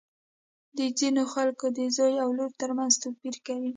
د ځینو خلکو د زوی او لور تر منځ توپیر کوي.